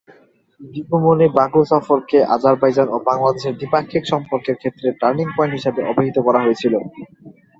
দীপু মনির বাকু সফরকে আজারবাইজান ও বাংলাদেশের দ্বিপাক্ষিক সম্পর্কের ক্ষেত্রে "টার্নিং পয়েন্ট" হিসাবে অভিহিত করা হয়েছিল।